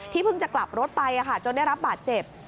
เพิ่งจะกลับรถไปจนได้รับบาดเจ็บ